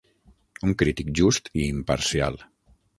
Un crític just i imparcial.